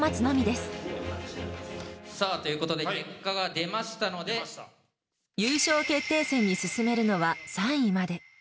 さあ、ということで結果が出優勝決定戦に進めるのは３位まで。